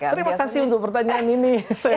terima kasih untuk pertanyaan ini